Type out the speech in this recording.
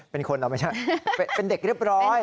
เป็นคนเอาไม่ใช่เป็นเด็กเรียบร้อย